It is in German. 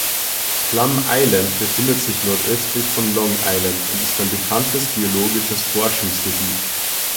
Plum Island befindet sich nordöstlich von Long Island und ist ein bekanntes biologisches Forschungsgebiet.